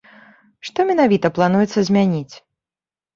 Што менавіта плануецца змяніць?